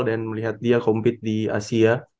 dan melihat dia compete di asia